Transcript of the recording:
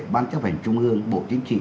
ban chấp hành trung ương bộ chính trị